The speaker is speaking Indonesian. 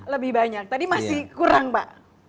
lebih banyak tadi masih kurang pak